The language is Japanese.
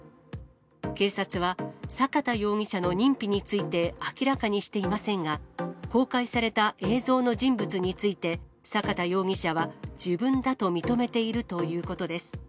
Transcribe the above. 警察は、坂田容疑者の認否について明らかにしていませんが、公開された映像の人物について、坂田容疑者は自分だと認めているということです。